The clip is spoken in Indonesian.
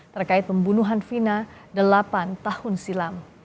terkait pembunuhan vina delapan tahun silam